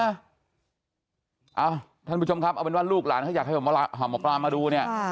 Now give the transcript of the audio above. ท่านผู้ชมครับเอาเป็นว่าลูกหลานถ้าอยากให้หมอปลามาดูเนี่ย